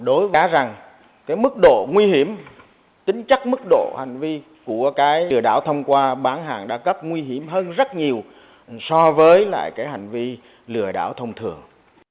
đối với đó mức độ nguy hiểm tính chắc mức độ hành vi của lừa đảo thông qua bán hàng đa cấp nguy hiểm hơn rất nhiều so với hành vi lừa đảo thông thường